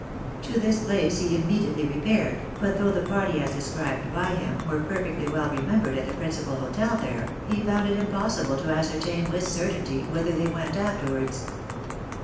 To this place he immediately repaired, but though the party as described by him were perfectly well remembered at the principal hotel there, he found it impossible to ascertain with certainty whither they went afterwards.